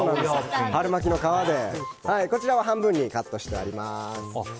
春巻きの皮、こちらは半分にカットしてあります。